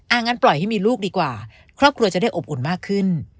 งั้นปล่อยให้มีลูกดีกว่าครอบครัวจะได้อบอุ่นมากขึ้น